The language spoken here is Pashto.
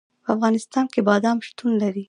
په افغانستان کې بادام شتون لري.